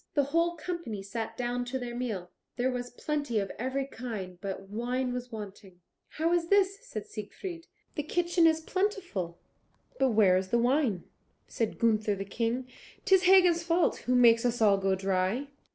The whole company sat down to their meal. There was plenty of every kind, but wine was wanting. "How is this?" said Siegfried: "the kitchen is plentiful; but where is the wine?" Said Gunther the King, "'Tis Hagen's fault, who makes us all go dry."